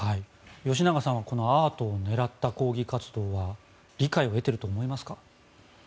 吉永さんはこのアートを狙った抗議活動は理解を得ていると思いますか？